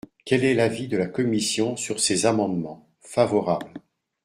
Quel est l’avis de la commission sur ces amendements ? Favorable.